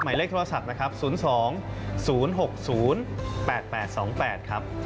หมายเลขโทรศัพท์นะครับ๐๒๐๖๐๘๘๒๘ครับ